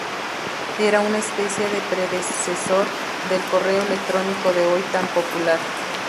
Era una especie de predecesor del correo electrónico de hoy tan popular.